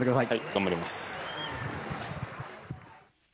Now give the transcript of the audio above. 頑張ります。